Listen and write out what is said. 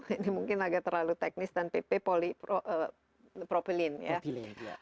ini mungkin agak terlalu teknis dan pp propylene